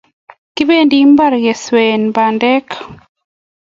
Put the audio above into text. Kibendi imbar keswen bandek